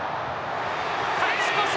勝ち越し！